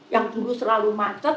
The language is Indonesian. yang dulu selalu macet